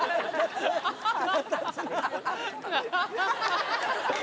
ハハハハ！